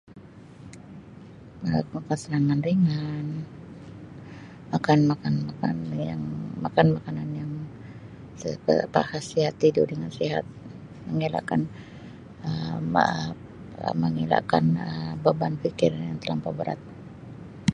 Melakukan senaman ringan akan makan makanan yang makan makanan yang serba berkhasiat, tidur dengan sihat mengelakkan Um mengelakkan Um beban fikir yang telampau berat.